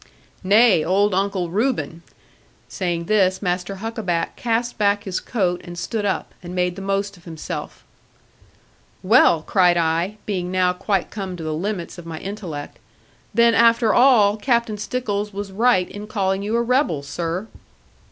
'Nay, old Uncle Reuben!' Saying this, Master Huckaback cast back his coat, and stood up, and made the most of himself. 'Well!' cried I, being now quite come to the limits of my intellect, 'then, after all, Captain Stickles was right in calling you a rebel, sir!'